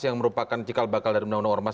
yang merupakan cikal bakal dari undang undang ormas